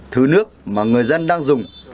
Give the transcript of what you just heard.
thứ nước mà người dân đang dùng